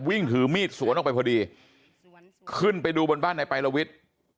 วิ่งถือมีดสวนออกไปพอดีขึ้นไปดูบนบ้านนายปายลวิทย์